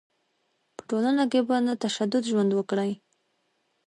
په ټولنه کې په نه تشدد ژوند وکړي.